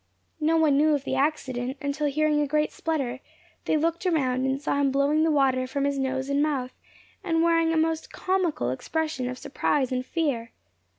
No one knew of the accident, until hearing a great splutter, they looked around, and saw him blowing the water from his nose and mouth, and wearing a most comical expression of surprise and fear.